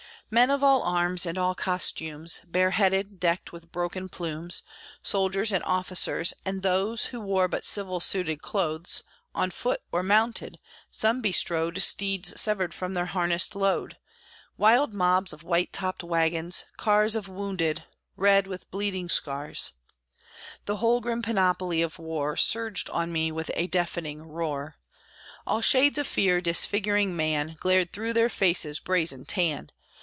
Men of all arms, and all costumes, Bare headed, decked with broken plumes; Soldiers and officers, and those Who wore but civil suited clothes; On foot or mounted some bestrode Steeds severed from their harnessed load; Wild mobs of white topped wagons, cars, Of wounded, red with bleeding scars; The whole grim panoply of war Surged on me with a deafening roar! All shades of fear, disfiguring man, Glared through their faces' brazen tan.